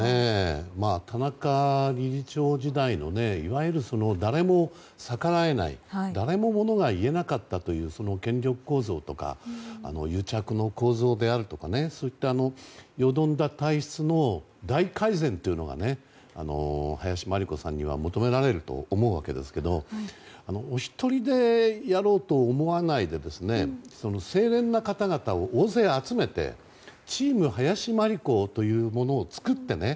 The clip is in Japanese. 田中理事長時代のいわゆる、誰も逆らえない誰も、ものが言えなかったという権力構造とか癒着の構造であるとかそういったよどんだ体質の大改善というのが林真理子さんには求められると思うわけですけどお一人でやろうと思わないで清廉な方々を大勢集めてチーム林真理子というものを作ってね